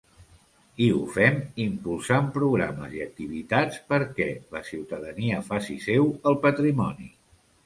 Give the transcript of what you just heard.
I ho fem impulsant programes i activitats perquè la ciutadania faci seu el patrimoni.